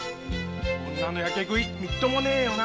女のやけ食いみっともねぇよな。